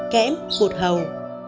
kém bột hầu